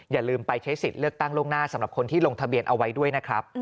อย่าลืมไปใช้สิทธิ์เลือกตั้งล่วงหน้าสำหรับคนที่ลงทะเบียนเอาไว้ด้วยนะครับ